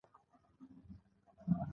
پښتو ژبه د ټکنالوژۍ د برخو له لارې وده کوي.